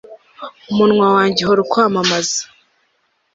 umunwa wanjye uhora ukwamamaza